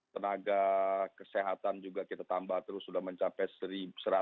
tenaga kesehatan juga kita tambah terus sudah mencapai satu ratus empat puluh empat tujuh ratus